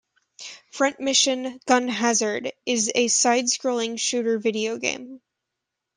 "Front Mission: Gun Hazard" is a side-scrolling shooter video game.